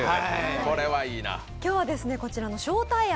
今日はこちらの将泰庵